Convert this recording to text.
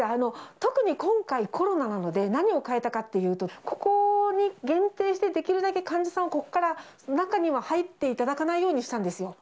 特に今回、コロナなので、何を変えたかっていうと、ここに限定して、できるだけ患者さんをここから中には入っていただかないようにしたんですよ。